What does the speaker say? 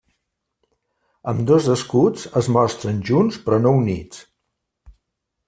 Ambdós escuts es mostren junts, però no units.